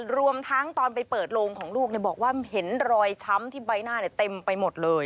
รวมทั้งตอนไปเปิดโลงของลูกบอกว่าเห็นรอยช้ำที่ใบหน้าเต็มไปหมดเลย